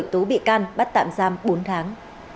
khởi tú bị can bắt tạm giam bốn tháng